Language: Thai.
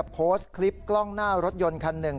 โพสต์คลิปกล้องหน้ารถยนต์คันหนึ่ง